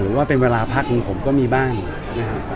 หรือว่าเป็นเวลาพักของผมก็มีบ้างนะครับ